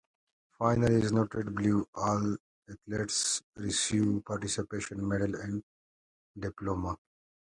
Finally, as noted below, all athletes receive a participation medal and diploma.